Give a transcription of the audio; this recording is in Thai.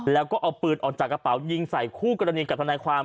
แล้วก็เอาปืนออกจากกระเป๋ายิงใส่คู่กรณีกับทนายความ